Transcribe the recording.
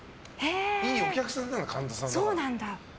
いいお客さんなんだ、神田さんは。